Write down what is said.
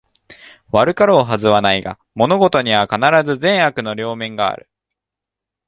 悪かろうはずはないが、物事には必ず善悪の両面がある